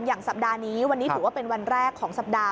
สัปดาห์นี้วันนี้ถือว่าเป็นวันแรกของสัปดาห